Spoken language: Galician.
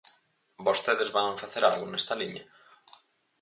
¿Vostedes van facer algo nesta liña?